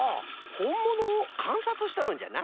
ほんものをかんさつしとるんじゃな。